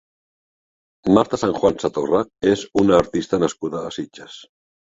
Marta Sanjuan Satorra és una artista nascuda a Sitges.